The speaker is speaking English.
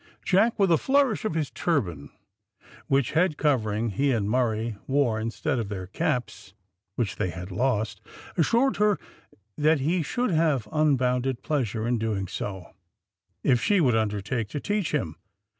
Jack, with a flourish of his turban, which head covering he and Murray wore instead of their caps, which they had lost, assured her that he should have unbounded pleasure in so doing, if she would undertake to teach him.